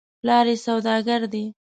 پلار یې سودا ګر دی .